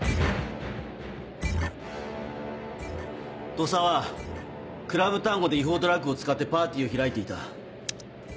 土佐はクラブ・タンゴで違法ドラッグを使ってパーティーを開いていた。